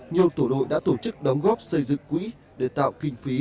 nhiều tổ đội đã tổ chức đóng góp xây dựng quỹ để tạo kinh phí